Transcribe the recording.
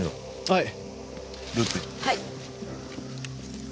はい。